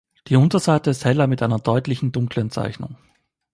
Die Unterseite ist heller mit einer deutlichen dunklen Zeichnung.